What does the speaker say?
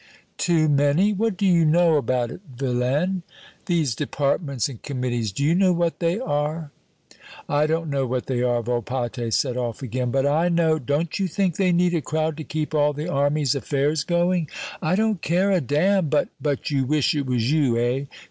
"Too many? What do you know about it, vilain? These departments and committees, do you know what they are?" "I don't know what they are," Volpatte set off again, "but I know " "Don't you think they need a crowd to keep all the army's affairs going?" "I don't care a damn, but " "But you wish it was you, eh?"